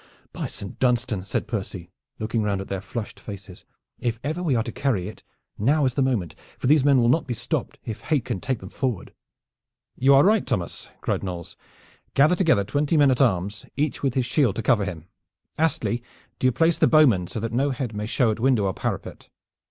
"By Saint Dunstan," said Percy, looking round at their flushed faces, "if ever we are to carry it now is the moment, for these men will not be stopped if hate can take them forward." "You are right, Thomas!" cried Knolles. "Gather together twenty men at arms each with his shield to cover him. Astley, do you place the bowmen so that no head may show at window or parapet.